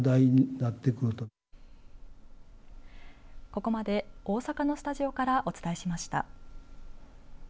ここまで、大阪のスタジオからお伝えしました。